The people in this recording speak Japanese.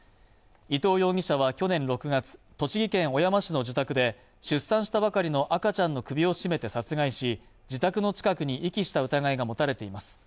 伊藤容疑者は去年６月栃木県小山市の自宅で出産したばかりの赤ちゃんの首を絞めて殺害し自宅の近くに遺棄した疑いが持たれています